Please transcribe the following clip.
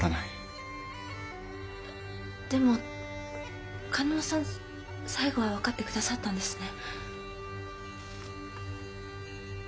でも嘉納さん最後は分かって下さったんですね。